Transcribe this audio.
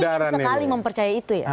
ya kami ingin sekali mempercaya itu ya